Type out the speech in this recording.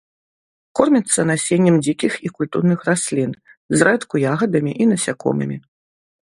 Корміцца насеннем дзікіх і культурных раслін, зрэдку ягадамі і насякомымі.